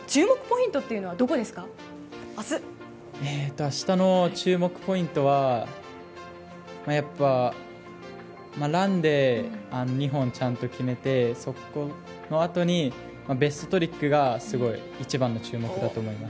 明日の注目ポイントはランで２本ちゃんと決めてそのあとにベストトリックが一番の注目だと思います。